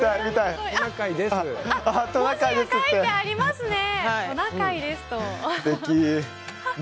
文字が書いてありますね。